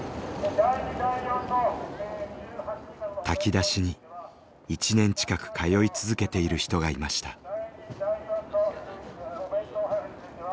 炊き出しに１年近く通い続けている人がいました。